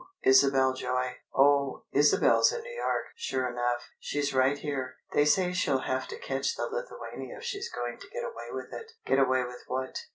"Isabel Joy." "Oh! Isabel's in New York, sure enough. She's right here. They say she'll have to catch the Lithuania if she's going to get away with it." "Get away with what?"